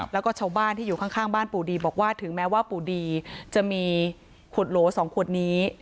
แล้วก็ชาวบ้านที่อยู่ข้างบ้านปู่ดีบอกว่าถึงแม้ว่าปู่ดีจะมีขุดโหล๒ขวดนี้